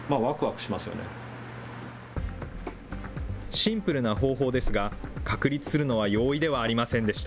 シンプルな方法ですが、確立するのは容易ではありませんでした。